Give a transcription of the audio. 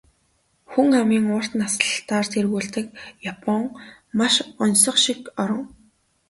Хүн амын урт наслалтаар тэргүүлдэг Япон маш оньсого шиг орон.